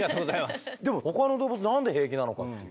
でもほかの動物何で平気なのかっていう。